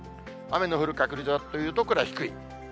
雨の降る確率はというと、これは低い。